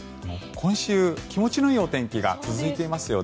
今週、気持ちのいいお天気が続いていますよね。